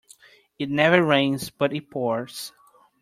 It never rains but it pours.